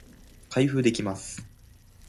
開封できます